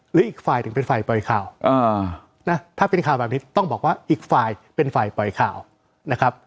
อีกฝ่ายถึงเป็นฝ่ายปล่อยข่าวนะถ้าเป็นข่าวแบบนี้ต้องบอกว่าอีกฝ่ายเป็นฝ่ายปล่อยข่าวนะครับ